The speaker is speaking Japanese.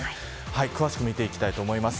詳しく見ていきたいと思います。